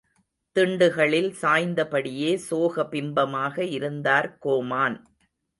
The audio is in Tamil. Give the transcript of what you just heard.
திண்டுகளில் சாய்ந்தபடியே சோக பிம்பமாக இருந்தார் கோமான்.